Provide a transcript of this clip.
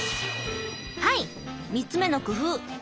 はい３つ目の工夫！